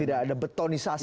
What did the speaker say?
tidak ada betonisasi